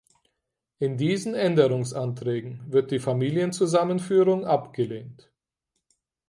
In diesen Änderungsanträgen wird die Familienzusammenführung abgelehnt.